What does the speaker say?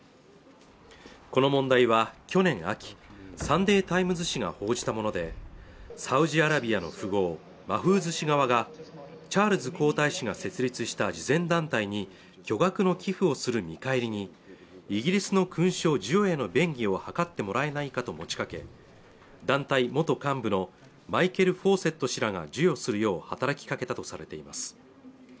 この問題は去年秋「サンデー・タイムズ」紙が報じたものでサウジアラビアの富豪マフーズ氏側がチャールズ皇太子が設立した慈善団体に巨額の寄付をする見返りにイギリスの勲章授与への便宜を図ってもらえないかと持ちかけ団体元幹部のマイケル・フォーセット氏らが授与するよう働きかけたとされています